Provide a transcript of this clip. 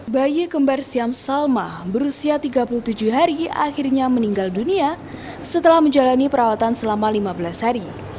bayi kembar siam salma berusia tiga puluh tujuh hari akhirnya meninggal dunia setelah menjalani perawatan selama lima belas hari